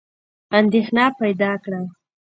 اندېښنه پیدا کړه.